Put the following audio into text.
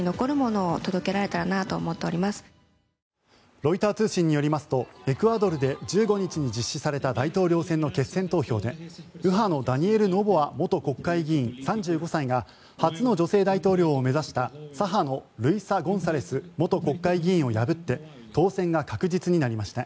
ロイター通信によりますとエクアドルで１５日に実施された大統領選の決選投票で右派のダニエル・ノボア元国会議員、３５歳が初の女性大統領を目指した左派のルイサ・ゴンサレス元国会議員を破って当選が確実になりました。